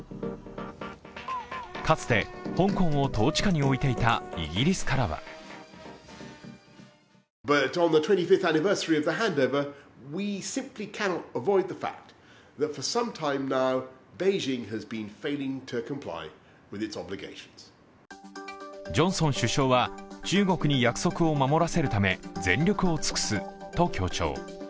かつて香港を統治下に置いていたイギリスからはジョンソン首相は中国に約束を守らせるため、全力を尽くすと強調。